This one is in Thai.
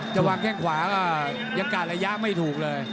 จะวางแข้งขวาก็ยังกาดระยะไม่ถูกเลย